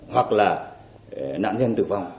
hoặc là nạn nhân tử vong